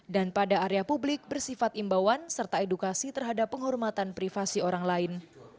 dan pada area publik bersifat imbauan serta edukasi terhadap penghormatan privasi orang lain